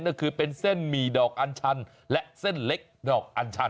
นั่นคือเป็นเส้นหมี่ดอกอันชันและเส้นเล็กดอกอันชัน